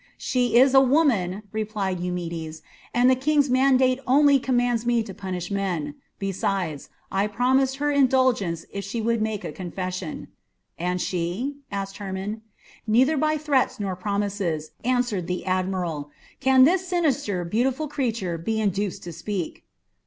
"She is a woman," replied Eumedes, "and the King's mandate only commands me to punish men. Besides, I promised her indulgence if she would make a confession." "And she?" asked Hermon. "Neither by threats nor promises," answered the admiral, "can this sinister, beautiful creature be induced to speak."